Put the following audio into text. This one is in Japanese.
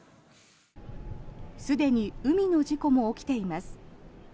すでに海の事故も起きています。